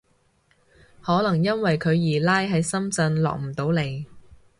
可能因為佢二奶喺深圳落唔到嚟